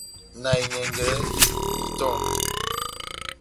Na enyɛngɛ, na itɔndi.